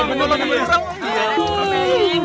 ternyata di ngutang